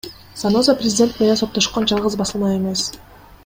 Заноза президент менен соттошкон жалгыз басылма эмес.